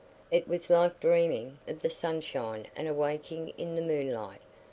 It was like dreaming of the sunshine and awaking in the moonlight.